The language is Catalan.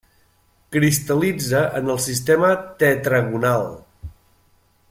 Cristal·litza en el Sistema tetragonal.